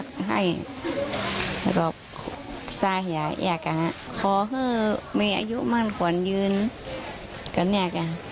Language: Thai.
ขอให้มีอายุมั่นควรยืนกันอย่างนี้ค่ะ